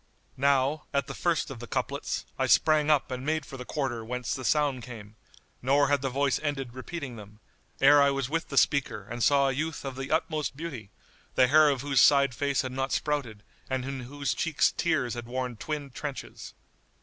'" Now, at the first of the couplets, I sprang up and made for the quarter whence the sound came, nor had the voice ended repeating them, ere I was with the speaker and saw a youth of the utmost beauty, the hair of whose side face had not sprouted and in whose cheeks tears had worn twin trenches.